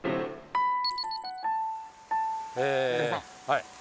はい。